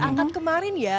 diangkat kemarin ya